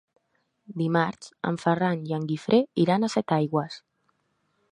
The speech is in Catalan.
Dimarts en Ferran i en Guifré iran a Setaigües.